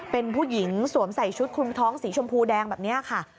เป็นผู้หญิงสวมใส่ชุดคลุมท้องสีชมพูแดงแบบนี้ค่ะ